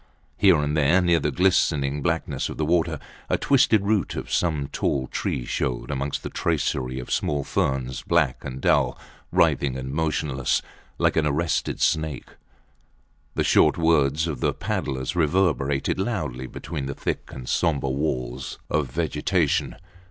Here and there, near the glistening blackness of the water, a twisted root of some tall tree showed amongst the tracery of small ferns, black and dull, writhing and motionless, like an arrested snake. The short words of the paddlers reverberated loudly between the thick and sombre walls of vegetation.